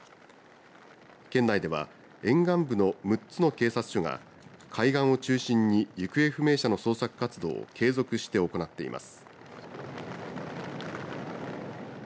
県内では沿岸部の６つの警察署が海岸を中心に行方不明者の捜索活動を継続して行っています。